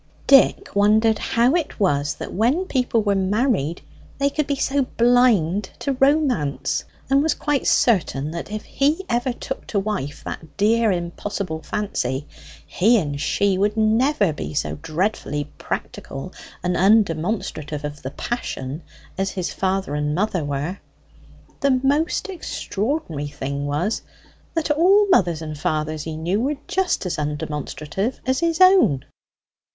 Dick wondered how it was that when people were married they could be so blind to romance; and was quite certain that if he ever took to wife that dear impossible Fancy, he and she would never be so dreadfully practical and undemonstrative of the Passion as his father and mother were. The most extraordinary thing was, that all the fathers and mothers he knew were just as undemonstrative as his own.